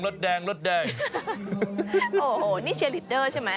โอ้โหนี่เชียร์ลีดเดอร์ใช่ไหม